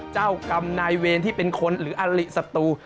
เจ้ากรรมนายเวรที่เป็นคนหรืออลิศัตรู